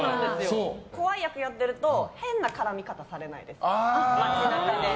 怖い役やってると変な絡み方されないです、街中で。